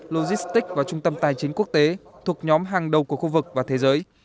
logistics và trung tâm tài chính quốc tế thuộc nhóm hàng đầu của khu vực và thế giới